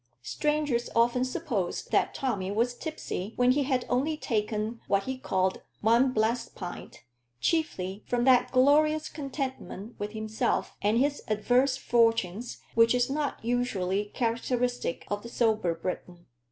Strangers often supposed that Tommy was tipsy when he had only taken what he called "one blessed pint," chiefly from that glorious contentment with himself and his adverse fortunes which is not usually characteristic of the sober Briton.